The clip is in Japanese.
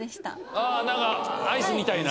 ああ何かアイスみたいな？